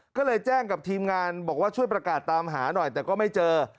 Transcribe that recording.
ก็เลยแจ้งกับทีมงานบอกว่าช่วยประกาศตามหาหน่อยแต่ก็ไม่เจอ